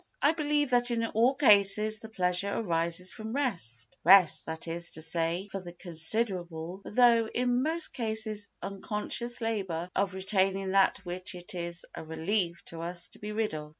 I believe that in all cases the pleasure arises from rest—rest, that is to say, from the considerable, though in most cases unconscious labour of retaining that which it is a relief to us to be rid of.